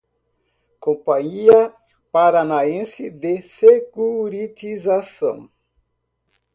Companhia Paranaense de Securitização